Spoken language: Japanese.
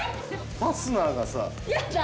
ファスナーがさやだ